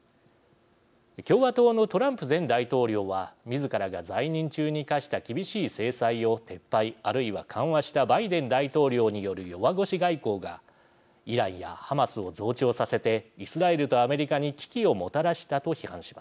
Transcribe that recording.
共和党のトランプ前大統領はみずからが在任中に科した厳しい制裁を撤廃あるいは緩和したバイデン大統領による弱腰外交がイランやハマスを増長させてイスラエルとアメリカに危機をもたらしたと批判します。